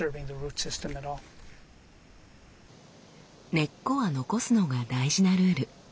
根っこは残すのが大事なルール。